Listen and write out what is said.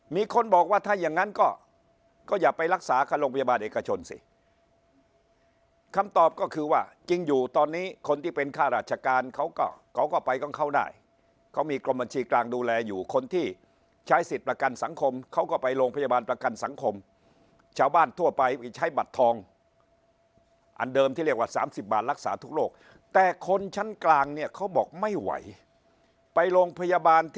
มีคนบอกว่าถ้าอย่างนั้นก็ก็อย่าไปรักษากับโรงพยาบาลเอกชนสิคำตอบก็คือว่าจริงอยู่ตอนนี้คนที่เป็นค่าราชการเขาก็เขาก็ไปของเขาได้เขามีกรมบัญชีกลางดูแลอยู่คนที่ใช้สิทธิ์ประกันสังคมเขาก็ไปโรงพยาบาลประกันสังคมชาวบ้านทั่วไปไปใช้บัตรทองอันเดิมที่เรียกว่า๓๐บาทรักษาทุกโรคแต่คนชั้นกลางเนี่ยเขาบอกไม่ไหวไปโรงพยาบาลท